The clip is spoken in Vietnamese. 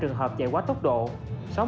sáu mươi chín trường hợp chạy quá tải cổng